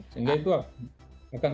sehingga itu akan